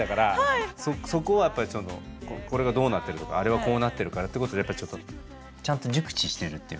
そこはやっぱりこれがどうなってるとかあれはこうなってるからってことでやっぱちょっとちゃんと熟知してるっていうか。